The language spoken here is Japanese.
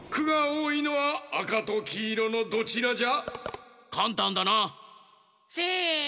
おおいのはあかときいろのどちらじゃ？